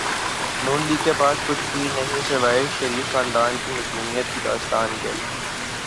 ن لیگ کے پاس کچھ بھی نہیں سوائے شریف خاندان کی مظلومیت کی داستان کے۔